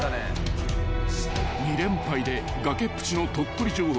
［２連敗で崖っぷちの鳥取城北］